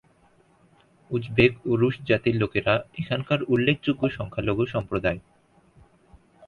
Uzbek ও রুশ জাতির লোকেরা এখানকার উল্লেখযোগ্য সংখ্যালঘু সম্প্রদায়।